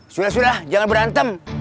sudah sudah jangan berantem